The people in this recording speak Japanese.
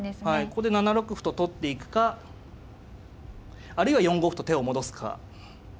ここで７六歩と取っていくかあるいは４五歩と手を戻すか。